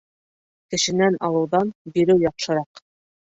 Кешенән алыуҙан биреү яҡшыраҡ.